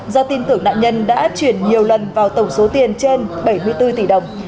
do tin tưởng nạn nhân đã chuyển nhiều lần vào tổng số tiền trên bảy mươi bốn tỷ đồng